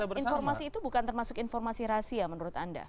informasi itu bukan termasuk informasi rahasia menurut anda